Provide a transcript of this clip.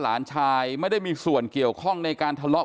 กลุ่มวัยรุ่นกลัวว่าจะไม่ได้รับความเป็นธรรมทางด้านคดีจะคืบหน้า